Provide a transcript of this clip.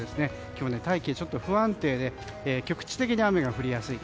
今日、大気がちょっと不安定で局地的に雨が降りやすい。